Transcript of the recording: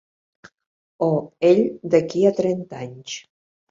O ell d'aquí a trenta anys.